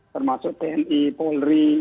termasuk tni polri